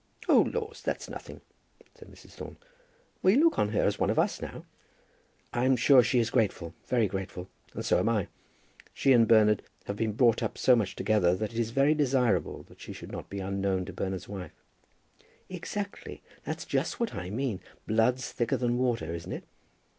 "Oh, laws, that's nothing," said Mrs. Thorne. "We look on her as one of us now." "I'm sure she is grateful, very grateful; and so am I. She and Bernard have been brought up so much together that it is very desirable that she should be not unknown to Bernard's wife." "Exactly, that's just what I mean. Blood's thicker than water; isn't it?